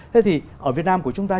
thế thì ở việt nam của chúng ta